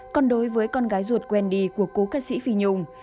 còn đối với con gái ruột wendy của cô ca sĩ phi nhung